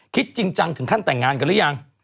คิดจริงจังถึงขั้นแต่งงานกันหรือยัง